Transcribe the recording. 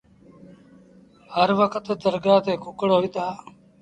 هر وکت درگآه تي ڪُڪڙهوئيٚتآ۔